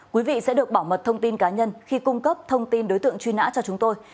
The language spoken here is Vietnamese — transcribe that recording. quý vị sẽ được bảo mật thông tin cá nhân khi cung cấp thông tin đối tượng truy nã cho chúng tôi